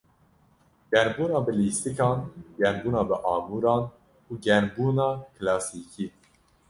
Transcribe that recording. Germbûna bi lîstikan, germbûna bi amûran û germbûna kilasîkî.